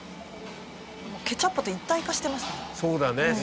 ケチャップと一体化してますね。